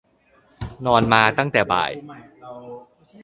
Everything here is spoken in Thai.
นอนมาตั้งแต่บ่าย